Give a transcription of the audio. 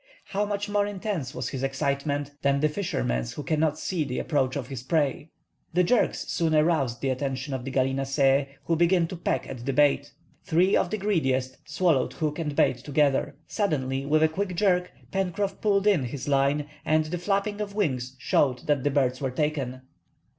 How much more intense was his excitement than the fisherman's who cannot see the approach of his prey! The jerks soon aroused the attention of the gallinaceæ, who began to peck at the bait. Three of the greediest swallowed hook and bait together. Suddenly, with a quick jerk, Pencroff pulled in his line, and the flapping of wings showed that the birds were taken.